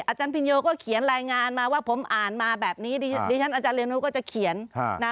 อาจารย์พินโยก็เขียนรายงานมาว่าผมอ่านมาแบบนี้ดิฉันอาจารย์เรียนรู้ก็จะเขียนนะ